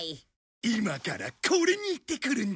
今からこれに行ってくるんだ。